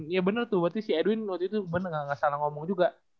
iya bener tuh berarti si edwin waktu itu bener gak salah ngomong juga